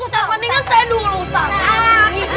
ustadz mendingan saya dukung dulu ustadz